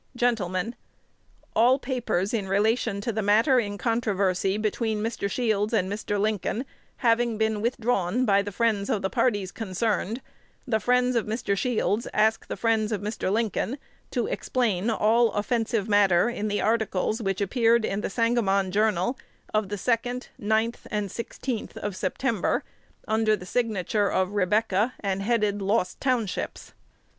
Gentlemen, All papers in relation to the matter in controversy between Mr. Shields and Mr. Lincoln having been withdrawn by the friends of the parties concerned, the friends of Mr. Shields ask the friends of Mr. Lincoln to explain all offensive matter in the articles which appeared in "The Sangamon Journal" of the 2d, 9th, and 16th of September, under the signature of "Rebecca," and headed "Lost Townships."